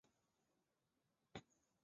江西乡试第二十五名。